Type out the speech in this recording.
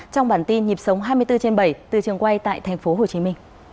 trong bản tin nhịp sống hai mươi bốn trên bảy từ trường quay tại tp hcm